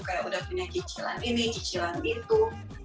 kayak udah punya cicilan ini cicilan gitu